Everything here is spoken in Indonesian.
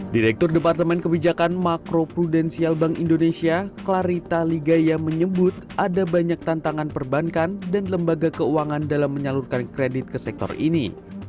direktur departemen kebijakan makro prudensial bank indonesia klarita ligaya menyebut ada banyak tantangan perbankan dan lembaga keuangan dalam menyalurkan kredit ke sektor ini